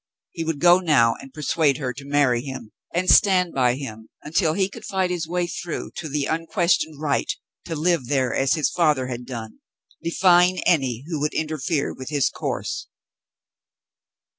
He would go now and persuade her to marry him and stand by him until he 152 Frale Returns 158 could fight his way through to the unquestioned right to live there as his father had done, defying any who would interfere with his course.